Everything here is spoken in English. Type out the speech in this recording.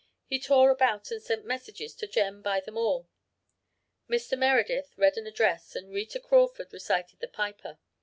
He tore about and sent messages to Jem by them all. Mr. Meredith read an address and Reta Crawford recited 'The Piper.'